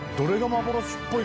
幻幻っぽい！